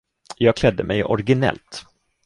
Jag klädde mig originellt.